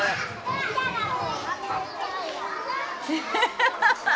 ハハハッ。